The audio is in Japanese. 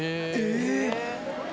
えっ！